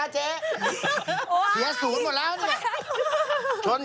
จะอย่างแรงก่อน